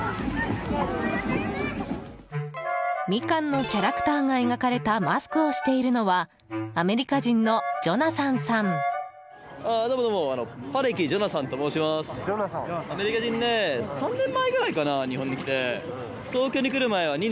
ミカンのキャラクターが描かれたマスクをしているのはアメリカ人のジョナサンさん。